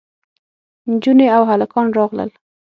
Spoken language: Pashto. نجونې او هلکان راغلل.